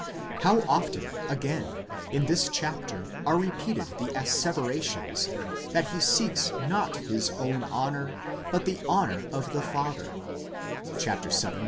How often, again, in this chapter are repeated the asseverations, that he seeks not his own honour, but the honour of the Father (vii.